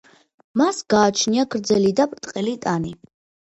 მას გააჩნია გრძელი და ბრტყელი ტანი.